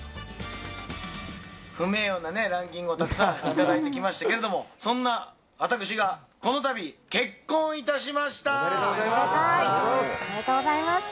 不名誉なランキングをたくさん頂いてきましたけれども、そんな私が、このたび結婚いたしおめでとうございます。